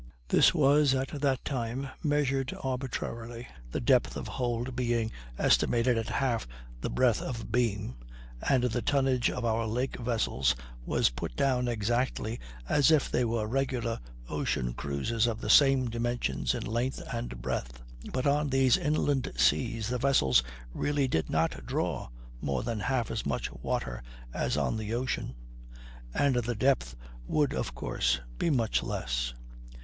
This was at that time measured arbitrarily, the depth of hold being estimated at half the breadth of beam; and the tonnage of our lake vessels was put down exactly as if they were regular ocean cruisers of the same dimensions in length and breadth. But on these inland seas the vessels really did not draw more than half as much water as on the ocean, and the depth would of course be much less.